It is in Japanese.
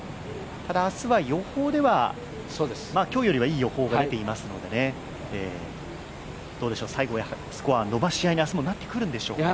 ただ明日は予報では今日よりはいい予報が出ていますのでね、最後、スコア伸ばし合いになってくるんでしょうか。